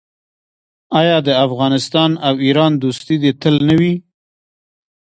آیا د افغانستان او ایران دوستي دې تل نه وي؟